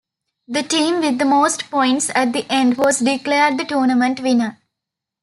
The team with the most points at the end was declared the tournament winner.